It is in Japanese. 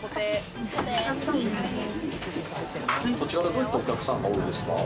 どういったお客さんが多いですか？